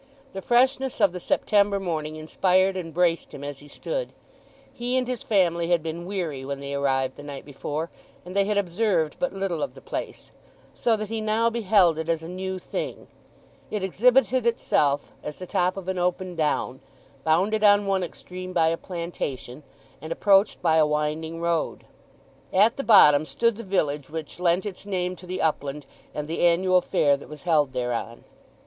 The freshness of the September morning inspired and braced him as he stood. He and his family had been weary when they arrived the night before, and they had observed but little of the place; so that he now beheld it as a new thing. It exhibited itself as the top of an open down, bounded on one extreme by a plantation, and approached by a winding road. At the bottom stood the village which lent its name to the upland and the annual fair that was held thereon.